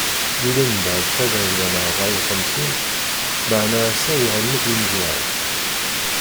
Lulen-d mbeɛd tagrawla n ṛebɛa uxemsin maɛna ass-a uɣalen akk imjuhad.